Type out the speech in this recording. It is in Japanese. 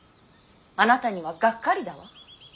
あなたにはがっかりだわ。